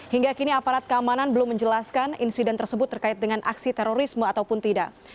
hingga kini aparat keamanan belum menjelaskan insiden tersebut terkait dengan aksi terorisme ataupun tidak